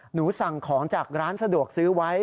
หนูสั่งของจากร้านสะดวกซื้อไว้